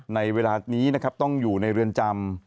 ในเวลานี้นะครับต้องอยู่ในเรือนจำ